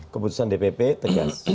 keputusan dpp tegas